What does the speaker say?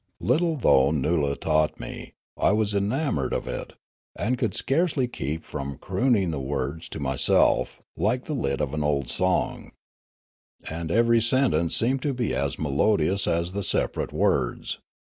Little though Xoola taught me, I was enamoured of it, and could scarcely keep from crooning the words to 394 Riallaro myself, like the lilt of an old song. And every sen tence seemed to be as melodious as the separate words.